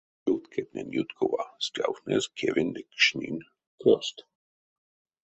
Чувткетнень юткова стявтнезь кевень ды кшнинь крёстт.